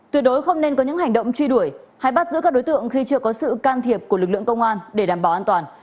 tuyệt đối không nên có những hành động truy đuổi hay bắt giữ các đối tượng khi chưa có sự can thiệp của lực lượng công an để đảm bảo an toàn